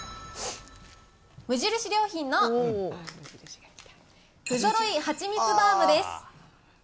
無印良品の不揃いはちみつバウムです。